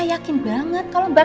hal itu terjadi karena mbak